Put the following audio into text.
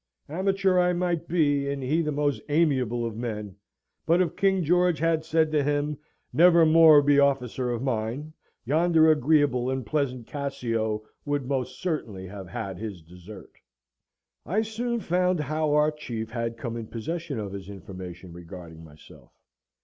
Amateur I might be, and he the most amiable of men; but if King George had said to him, "Never more be officer of mine," yonder agreeable and pleasant Cassio would most certainly have had his desert. I soon found how our Chief had come in possession of his information regarding myself.